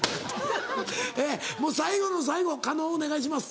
もう最後の最後狩野お願いします。